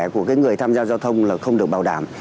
của cái người tham gia giao thông là không được bảo đảm